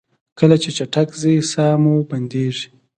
کله چې چټک ځئ ساه مو بندیږي؟